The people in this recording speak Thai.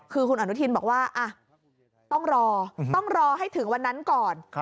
คือคุณอนุทินบอกว่าต้องรอต้องรอให้ถึงวันนั้นก่อน